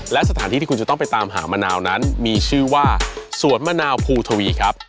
และสถานที่ที่คุณจะต้องไปตามหามะนาวนั้นมีชื่อว่าสวนมะนาวภูทวีครับ